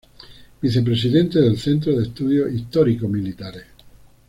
Vicepresidente del Centro de Estudios Histórico-Militares.